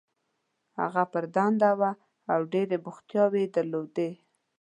هغه پر دنده وه او ډېرې بوختیاوې یې درلودې.